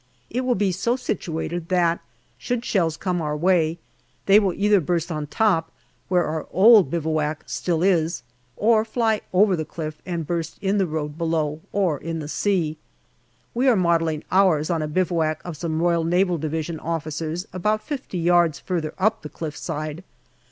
It will be so situated that, should shells come our way, they will either burst on top, where our old bivouac still is, or fly over the cliff and burst in the road below or in the sea. JUNE 129 We are modelling ours on a bivouac of some R.N.D. officers about fifty yards further up the cliff side.